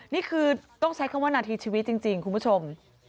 นี่คือต้องใช้คำว่านาทีชีวิตจริงคุณผู้ชม